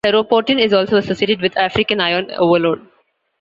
Ferroportin is also associated with African iron overload.